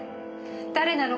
誰なの？